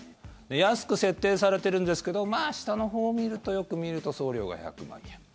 安く設定されているんですけど下のほうを見ると、よく見ると送料が１００万円。